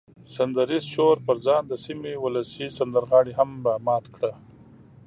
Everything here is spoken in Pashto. سندریز شور پر ځان د سیمې ولسي سندرغاړي هم را مات کړه.